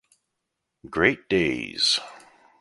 Great days!